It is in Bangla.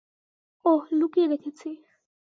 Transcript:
ওহ, লুকিয়ে রেখেছি।